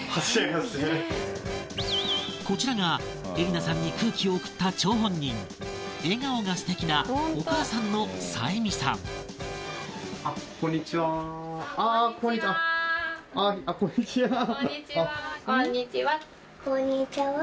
こちらが恵莉奈さんに空気を送った張本人笑顔がすてきなお母さんのさえみさんこんにちはあっこんにちは。